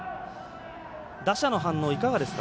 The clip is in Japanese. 打者の反応いかがですか？